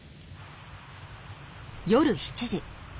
夜７時。